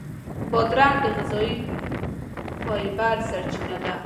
بادرنګ د غذایي فایبر سرچینه ده.